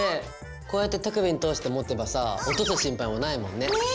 こうやって手首に通して持てばさ落とす心配もないもんね。ね！